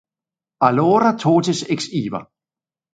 Alora totes exiva.